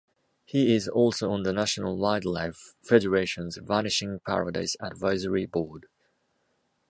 He is also on the National Wildlife Federation's Vanishing Paradise advisory board.